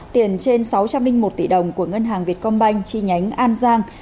tiền trên sáu trăm linh một tỷ đồng của ngân hàng việt công banh chi nhánh an giang